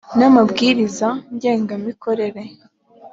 n amabwiriza ngenga mikorere